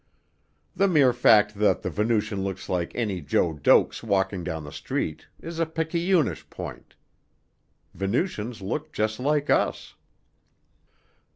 The mere fact that the Venusian looks like any Joe Doakes walking down the street is a picayunish point. Venusians look just like us.